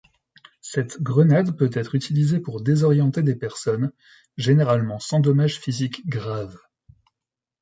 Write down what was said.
Cette grenade peut être utilisée pour désorienter des personnes, généralement sans dommages physiques graves.